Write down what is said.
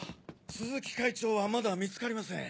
鈴木会長はまだ見つかりません。